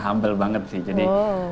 humble banget sih jadi